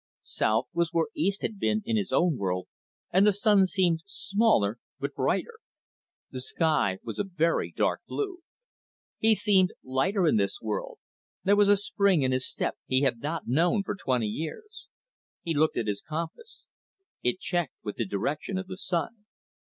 South was where east had been in his own world, and the sun seemed smaller, but brighter. The sky was a very dark blue. He seemed lighter in this world, there was a spring in his step he had not known for twenty years. He looked at his compass. It checked with the direction of the sun.